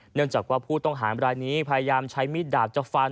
เนื่องจากว่าผู้ต้องหามรายนี้พยายามใช้มีดดาบจะฟัน